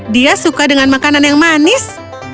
dia suka dengan makanan yang manis